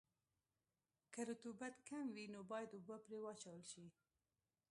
که رطوبت کم وي نو باید اوبه پرې واچول شي